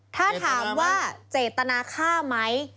ถ้าถามว่าเจตนาฆ่าไหม